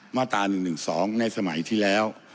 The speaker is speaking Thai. มาตรา๑๑๒ในสมัยที่แล้ว